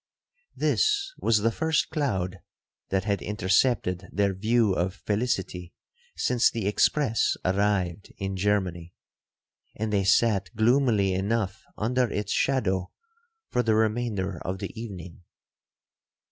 'This was the first cloud that had intercepted their view of felicity since the express arrived in Germany, and they sat gloomily enough under its shadow for the remainder of the evening.